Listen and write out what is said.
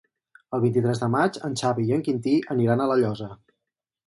El vint-i-tres de maig en Xavi i en Quintí aniran a La Llosa.